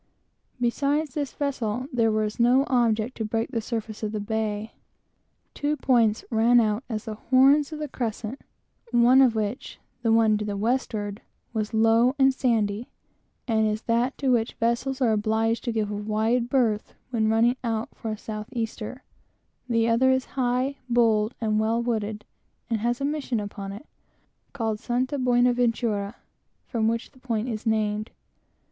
Beside this vessel there was no object to break the surface of the bay. Two points ran out as the horns of the crescent, one of which the one to the westward was low and sandy, and is that to which vessels are obliged to give a wide berth when running out for a south easter; the other is high, bold, and well wooded, and, we were told, has a mission upon it, called St. Buenaventura, from which the point is named.